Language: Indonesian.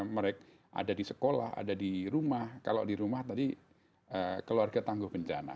mereka ada di sekolah ada di rumah kalau di rumah tadi keluarga tangguh bencana